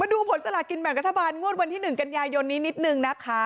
มาดูสลากกินแบ่งรัฐบาลงวดวันที่๑กันยายนนิดนะคะ